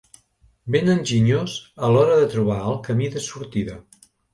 Ben enginyós a l'hora de trobar el camí de sortida.